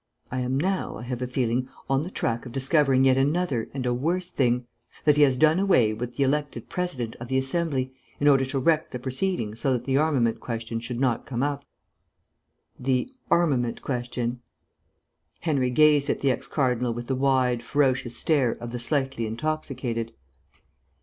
I am now, I have a feeling, on the track of discovering yet another and a worse thing that he has done away with the elected President of the Assembly, in order to wreck the proceedings so that the armament question should not come up." "The armament question?" Henry gazed at the ex cardinal with the wide, ferocious stare of the slightly intoxicated.